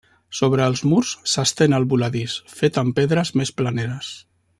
Sobre els murs s'estén el voladís, fet amb pedres més planeres.